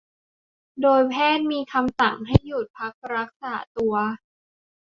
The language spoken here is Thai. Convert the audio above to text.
โดยแพทย์มีคำสั่งให้หยุดพักรักษาตัว